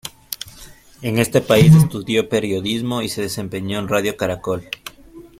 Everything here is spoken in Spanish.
En ese país estudió periodismo y se desempeñó en Radio Caracol.